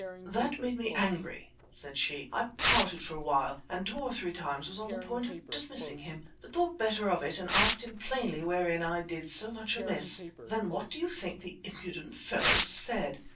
'" "That made me angry," said she. "I pouted for a while, and, two or three times, was on the point of dismissing him, but thought better of it and asked him plainly wherein I did so much amiss. Then what do you think the impudent fellow said?"